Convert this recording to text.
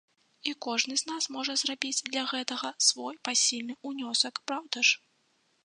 І кожны з нас можа зрабіць для гэтага свой пасільны ўнёсак, праўда ж?